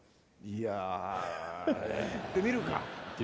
いや行ってみるか？